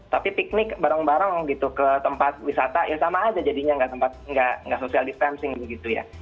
tapi piknik bareng bareng gitu ke tempat wisata ya sama aja jadinya nggak social distancing begitu ya